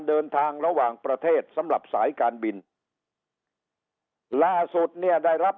เดินทางระหว่างประเทศสำหรับสายการบินล่าสุดเนี่ยได้รับ